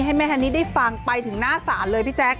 ให้แม่ฮันนี่ได้ฟังไปถึงหน้าศาลเลยพี่แจ๊ค